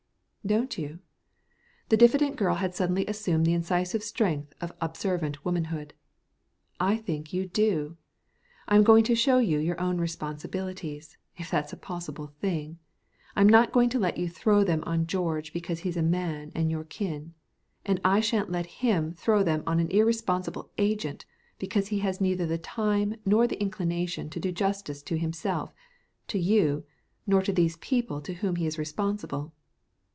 "Don't you?" The diffident girl had suddenly assumed the incisive strength of observant womanhood. "I think you do. I am going to show you your own responsibilities, if that's a possible thing. I'm not going to let you throw them on George because he's a man and your kin; and I shan't let him throw them on an irresponsible agent because he has neither the time nor the inclination to do justice to himself, to you, nor to these people to whom he is responsible."